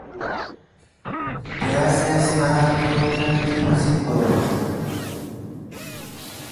Parentheses mark alternative symbols.